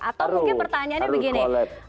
atau mungkin pertanyaannya begini